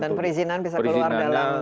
dan perizinan bisa keluar dalam